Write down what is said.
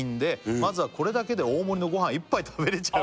「まずはこれだけで大盛りのごはん１杯食べれちゃう」